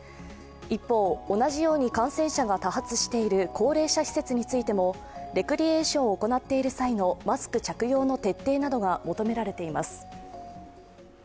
一方、同じように感染者が多発している高齢者施設についてもレクリエーションを行っている際のマスク着用の徹底などが求められています。